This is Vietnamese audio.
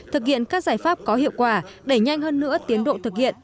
thực hiện các giải pháp có hiệu quả đẩy nhanh hơn nữa tiến độ thực hiện